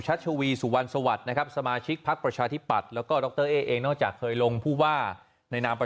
มาให้พบชั้นสำหรับโรงเรียนขนาดเล็กมากกว่าค่ะ